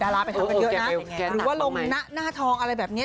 ราไปทำกันเยอะนะหรือว่าลงหน้าทองอะไรแบบนี้